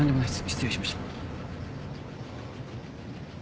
失礼しました。